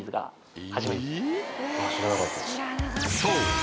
［そう。